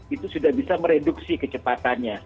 itu sudah bisa mereduksi kecepatannya